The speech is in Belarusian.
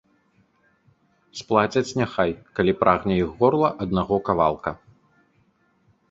Сплацяць няхай, калі прагне іх горла аднаго кавалка.